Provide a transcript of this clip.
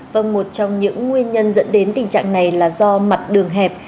vâng một trong những nguyên nhân dẫn đến tình trạng này là do mặt đường hẹp